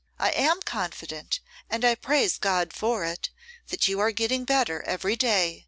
I am confident, and I praise God for it, that you are getting better every day.